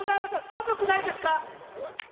寒くないですか？